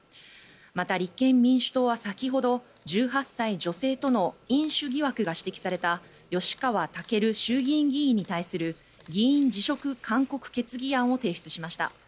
また、立憲民主党は先ほど１８歳女性との飲酒疑惑が指摘された吉川赳衆議院議員に対する議員辞職勧告決議案を提出しました。